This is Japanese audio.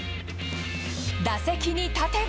打席に立てば。